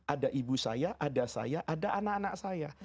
ada ibu saya ada saya ada anak anak saya